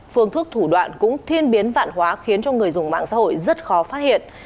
phương thức thủ đoạn cũng thiên biến vạn hóa khiến cho người dùng mạng xã hội rất khó phát hiện